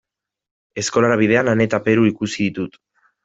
Eskolara bidean Ane eta Peru ikusi ditut.